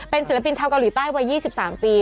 ศิลปินชาวเกาหลีใต้วัย๒๓ปี